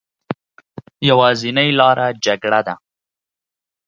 يوازينۍ لاره جګړه ده